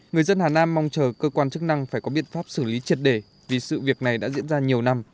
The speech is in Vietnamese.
người dân hà nam mong chờ cơ quan chức năng phải có biện pháp xử lý triệt để vì sự việc này đã diễn ra nhiều năm